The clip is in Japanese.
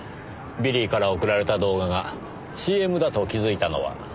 ビリーから送られた動画がＣＭだと気づいたのは。